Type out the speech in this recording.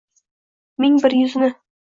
Ming bir yuzini.